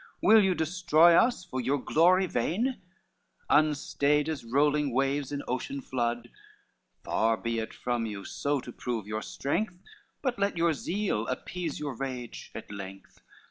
Will you destroy us for your glory vain, Unstayed as rolling waves in ocean flood? Far be it from you so to prove your strength, And let your zeal appease your rage at length.